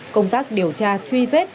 công tác điều tra truy vết